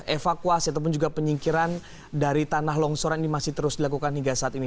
evakuasi ataupun juga penyingkiran dari tanah longsoran ini masih terus dilakukan hingga saat ini